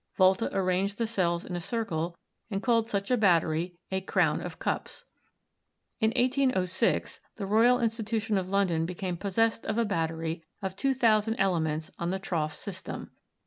Volta arranged the cells in a circle and called such a battery a "crown of cups." In 1806, the Royal Institution of London became possessed of a battery of 2,000 ele ments on the trough system.